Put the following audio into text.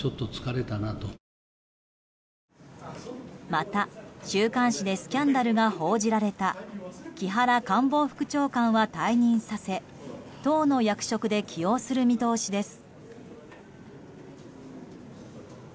また、週刊誌でスキャンダルが報じられた木原官房副長官は退任させ党の役職で起用する見通しです。